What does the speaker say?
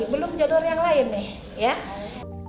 belum jalur yang lain nih